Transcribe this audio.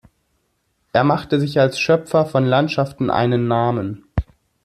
Er machte sich als Schöpfer von Landschaften einen Namen.